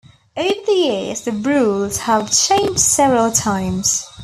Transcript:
Over the years the rules have changed several times.